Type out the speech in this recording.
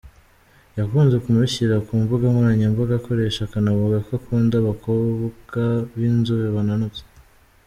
Yakunze kumushyira ku mbuga nkoranyambaga akoresha akanavuga ko akunda abakobwa b’inzobe bananutse.